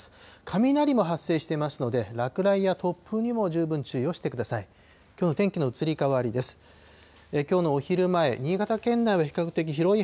雷も発生していますので、落雷や突風にも十分注意をしてください。